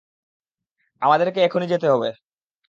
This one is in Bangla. আমাদেরকে এখনি যেতে হবে।